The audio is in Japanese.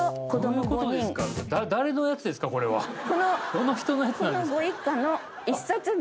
どの人のやつなんですか？